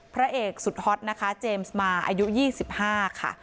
พระเอกสุดฮอตนะคะเจมส์มาอายุยี่สิบห้าค่ะ